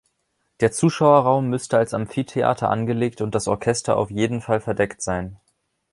Der Zuschauerraum müsste als Amphitheater angelegt und das Orchester auf jeden Fall verdeckt sein.